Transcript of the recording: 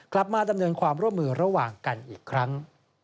กลับมาดำเนินความร่วมมือระหว่างกันอีกครั้ง